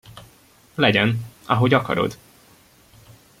Legyen, ahogy akarod!